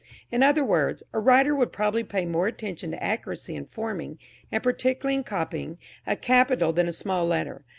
In other words, a writer would probably pay more attention to accuracy in forming, and particularly in copying, a capital than a small letter.